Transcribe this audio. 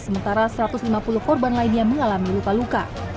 sementara satu ratus lima puluh korban lainnya mengalami luka luka